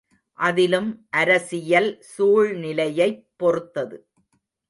அதிலும் அரசியல் சூழ்நிலையைப் பொறுத்தது.